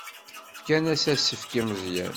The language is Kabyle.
Fkan-as asefk i Meẓyan.